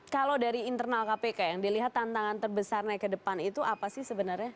kalau dari internal kpk yang dilihat tantangan terbesarnya ke depan itu apa sih sebenarnya